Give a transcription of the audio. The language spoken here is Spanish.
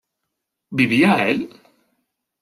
¿vivía él?